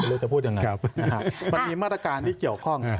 หรือจะพูดยังไงมันมีมาตรการที่เกี่ยวข้อง